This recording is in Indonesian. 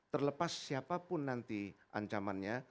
terlepas siapapun nanti ancamannya